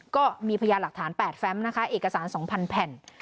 ก็มีพยานหลักฐาน๘แฟมนะคะเอกสาร๒๐๐แผ่น